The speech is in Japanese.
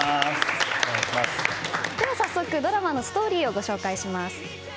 早速ドラマのストーリーをご紹介します。